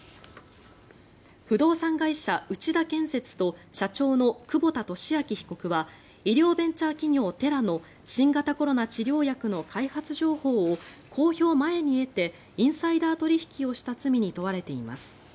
不動産会社内田建設と社長の久保田俊明被告は医療ベンチャー企業テラの新型コロナ治療薬の開発情報を公表前に得てインサイダー取引をした罪に問われています。